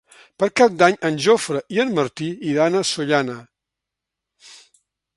Per Cap d'Any en Jofre i en Martí iran a Sollana.